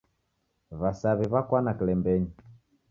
W'asaw'i w'akwana kilembenyi.